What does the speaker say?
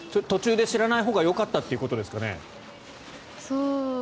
途中で知らないほうがよかったってことですかね。